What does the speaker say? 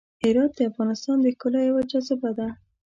هرات د افغانستان د ښکلا یوه جاذبه ده.